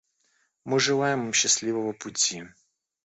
Мы желаем им счастливого пути.